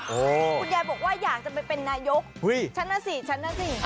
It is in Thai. คุณยายบอกว่าอยากจะไปเป็นนายกฉันน่ะสิฉันน่ะสิ